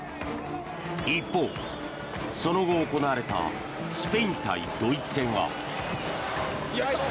一方、その後行われたスペイン対ドイツ戦は。